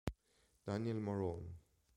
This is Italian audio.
Daniel Morón